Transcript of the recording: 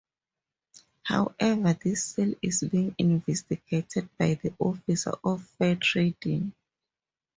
However this sale is being investigated by the office of fair trading.